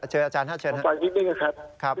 เชิญอาจารย์นะครับ